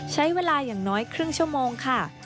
ใช้เวลาอย่างน้อยครึ่งชั่วโมงค่ะ